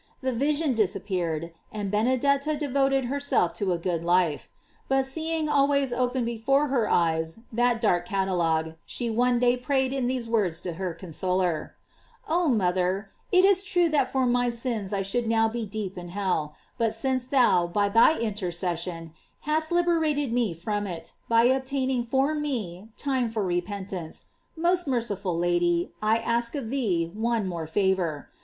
The vision disappeared, and Benedetta devoted herself to a good life; but seeing always open before her eyes that dark catalogue, she one day prayed in these words to her consoler: "Oh mother, it is true that for my sins I should now be deep in hell; but since thou, by thy interces sion, hast liberated me from it, by obtaining for me time for repentance, most merciful Lady, I ask of thee one other favor.